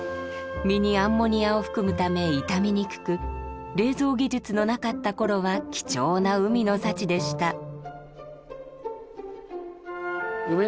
身にアンモニアを含むため傷みにくく冷蔵技術のなかった頃は貴重な海の幸でした。